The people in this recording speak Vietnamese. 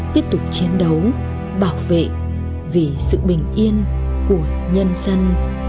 tiếp tục chiến đấu bảo vệ vì sự bình yên của nhân dân